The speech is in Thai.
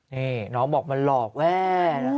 นี่น้องบอกมันหลอกแว่